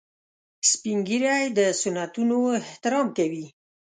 سپین ږیری د سنتونو احترام کوي